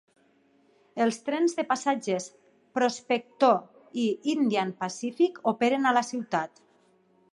Els trens de passatgers "Prospector" i "Indian Pacific" operen a la ciutat.